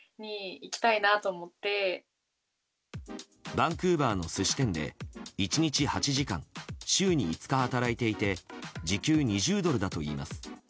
バンクーバーの寿司店で１日８時間、週に５日働いていて時給２０ドルだといいます。